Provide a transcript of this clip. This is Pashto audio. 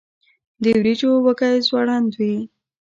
د وریجو وږی ځوړند وي.